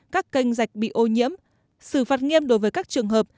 các kênh dạch bị ô nhiễm xử phạt nghiêm đối với các trường hợp